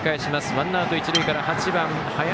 ワンアウト、一塁から８番、林。